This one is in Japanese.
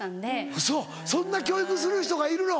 ウソそんな教育する人がいるの。